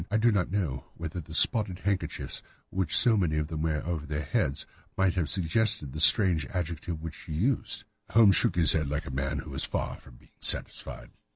I do not know whether the spotted handkerchiefs which so many of them wear over their heads might have suggested the strange adjective which she used." Holmes shook his head like a man who is far from being satisfied.